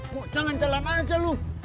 kok jangan jalan aja loh